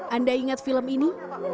anda ingat film ini